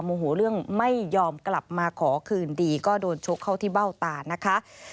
โมโหเรื่องไม่ยอมกลับมาขอคืนดีก็โดนชกเข้าที่เบ้าตานะคะ